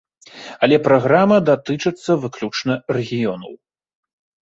Але праграма датычыцца выключна рэгіёнаў.